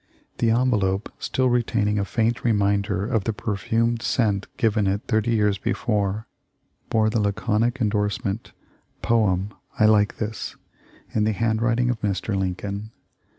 The envelope, still retaining a faint reminder of the perfumed scent given it thirty years before, bore the laconic endorsement, "poem — I like this," in the handwriting of Mr. Lincoln.